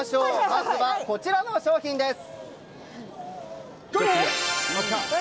まずはこちらの商品です。